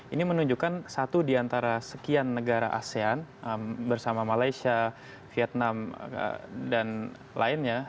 ini menunjukkan satu di antara sekian negara asean bersama malaysia vietnam dan lainnya